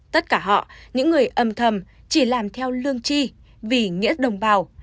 tất cả họ những người âm thầm chỉ làm theo lương chi vì nghĩa đồng bào